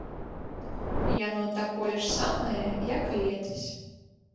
Яно такое ж самае, як і летась.